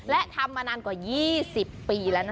และทำมานานกว่า๒๐ปีแล้วนะ